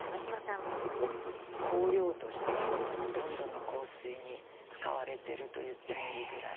香料としてはもうほとんどの香水に使われてると言ってもいいぐらい。